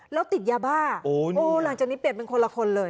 แล้วติดยาบ้าโอ้หลังจากนี้เปลี่ยนเป็นคนละคนเลย